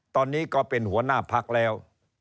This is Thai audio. ตอนนี้ก็เป็นหัวหน้าพักแล้ว